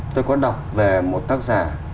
tôi có đọc về một tác giả